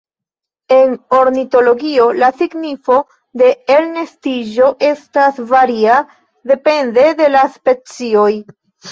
En ornitologio, la signifo de elnestiĝo estas varia, depende de la specioj.